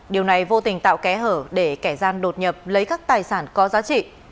điều này vô tình tạo kẽ hở để kẻ gian đột nhập lấy các tài sản có giá trị